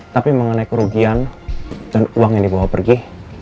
tapi mengenai kerugian dan uang yang dibawa pergi